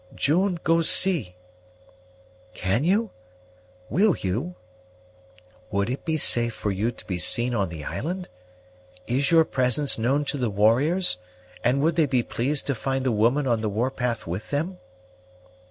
"June go see." "Can you? will you? would it be safe for you to be seen on the island? is your presence known to the warriors, and would they be pleased to find a woman on the war path with them?"